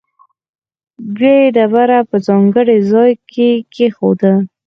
بیا یې ډبره په ځانګړي ځاې کې کېښوده.